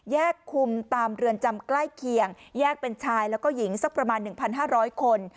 คุมตามเรือนจำใกล้เคียงแยกเป็นชายแล้วก็หญิงสักประมาณ๑๕๐๐คน